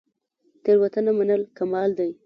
تیروتنه منل کمال دی